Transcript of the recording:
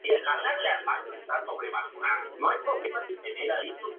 Allí está sepultado.